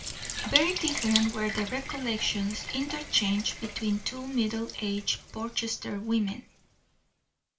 Very different were the recollections interchanged between two middle aged Portchester women.